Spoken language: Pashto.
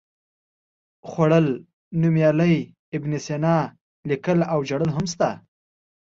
خوړل، نومیالی، ابن سینا، لیکل او ژړل هم شته.